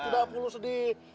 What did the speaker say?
tidak perlu sedih